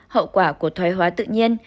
một hậu quả của thoài hóa tự nhiên